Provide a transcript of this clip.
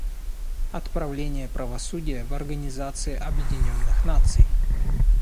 Отправление правосудия в Организации Объединенных Наций.